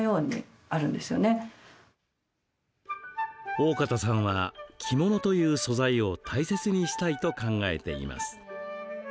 大方さんは着物という素材を大切にしたいと考えています。